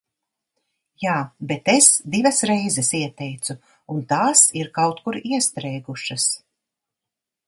Jā, bet es divas reizes ieteicu, un tās ir kaut kur iestrēgušas.